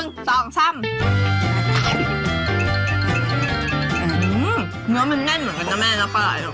เนื้อมันแน่นเหมือนกันนะแม่แล้วเท่าไหร่